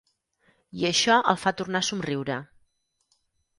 I això el fa tornar a somriure.